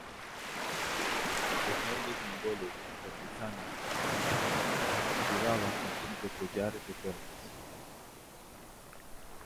Los nobles mongoles y los cortesanos de Bizancio llevaban consigo collares de perlas.